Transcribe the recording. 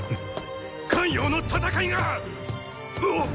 咸陽の戦いがっ！